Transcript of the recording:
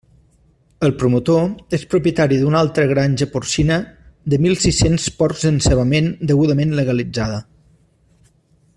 El promotor és propietari d'una altra granja porcina de mil sis-cents porcs d'encebament degudament legalitzada.